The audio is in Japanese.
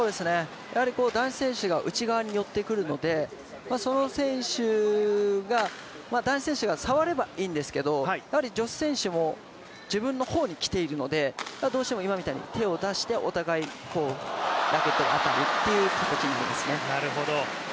やはり男子選手が内側に寄ってくるので男子選手が触ればいいんですけど、女子選手も自分の方に来ているのでどうしても今みたいに手を出して、お互いにラケットが当たるという形になりますね。